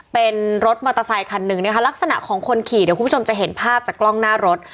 เป็นรถมอเตอร์ไซคันหนึ่งนะคะลักษณะของคนขี่เดี๋ยวคุณผู้ชมจะเห็นภาพจากกล้องหน้ารถ